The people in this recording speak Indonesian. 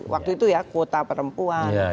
waktu itu ya kuota perempuan